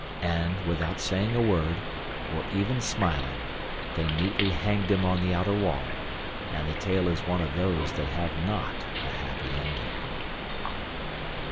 And, without saying a word, or even smiling, they neatly hanged him on the outer wall and the tale is one of those that have not a happy ending.